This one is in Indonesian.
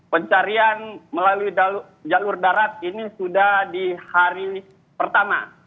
pencarian melalui jalur darat ini sudah di hari pertama